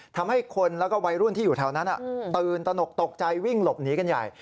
ทำให้คนแล้วก็วัยรุ่นที่อยู่แถวนั้นตื่นตนกตกใจวิ่งหลบหนีกันใหญ่